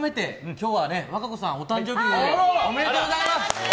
今日は和歌子さんお誕生日おめでとうございます！